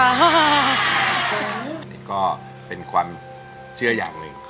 อันนี้ก็เป็นความเชื่ออย่างหนึ่ง